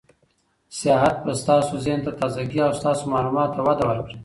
سیاحت به ستاسو ذهن ته تازه ګي او ستاسو معلوماتو ته وده ورکړي.